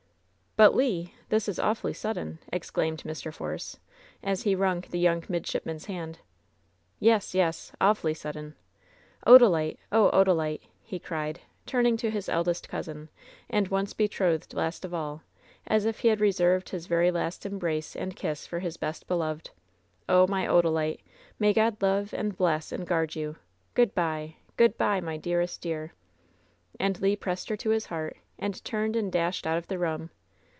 "But, Le — ^this is awfully sudden!" exclaimed Mr. Force, as he wrung the young midshipman's hand. "Yes I yes ! awfully sudden ! Odalite ! Oh, Odalite !" he cried, turning to his eldest cousin and once betrothed last of all, as if he had reserved his very last embrace and kiss for his best beloved — "oh, my Odalite ! May God love, and bless, and guard you. Good by! Good by 1 my dearest dear !" And Le pressed her to his heart, and turned and dashed out of the room.